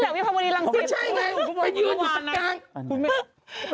ว่าจริงครับ